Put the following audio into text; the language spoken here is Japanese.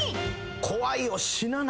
怖いよ。